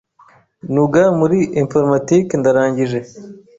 nuga muri informatique ndarangije .